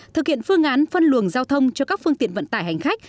thực hiện phương án phân luồng giao thông cho các phương tiện vận tải hành khách